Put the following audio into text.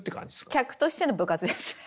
客としての部活ですね。